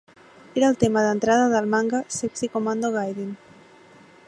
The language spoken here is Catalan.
Era el tema d'entrada del manga "Sexy Commando Gaiden".